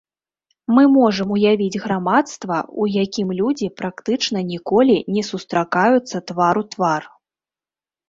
Мы можам уявіць грамадства, у якім людзі практычна ніколі не сустракаюцца твар у твар.